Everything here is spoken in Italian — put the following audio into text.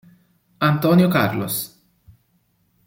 Antônio Carlos